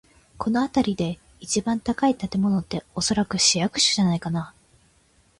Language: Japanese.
この辺りで一番高い建物って、おそらく市役所じゃないかな。